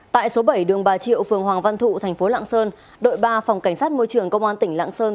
tại số bảy đường ba triệu phường hoàng văn thụ tp lạng sơn đội ba phòng cảnh sát môi trường công an tỉnh lạng sơn